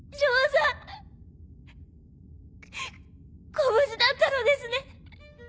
ご無事だったのですね。